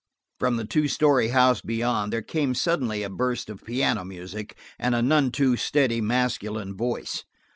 From the two story house beyond there came suddenly a burst of piano music and a none too steady masculine voice.